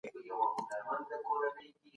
نرکس کومو مهمو ټکو ته اشاره کړې ده؟